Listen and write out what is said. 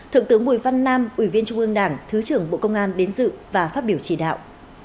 thượng tướng bùi văn nam ủy viên trung ương đảng thứ trưởng bộ công an đến dự và phát biểu chỉ đạo